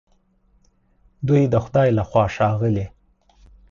دوی د خدای له خوا ښاغلي